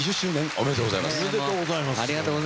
ありがとうございます。